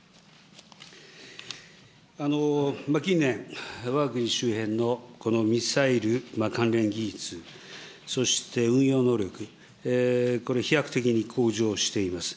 近年、わが国周辺のこのミサイル関連技術、そして運用能力、これ、飛躍的に向上しています。